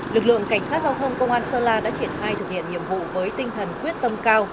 lực lượng cảnh sát giao thông công an sơn la đã triển khai thực hiện nhiệm vụ với tinh thần quyết tâm cao